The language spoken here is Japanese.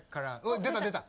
出た出た！